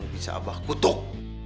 bisa abah kutuk